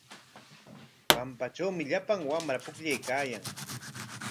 Pampatrawmi llapan wamra pukllaykaayan.